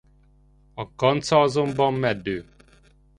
A kanca azonban meddő.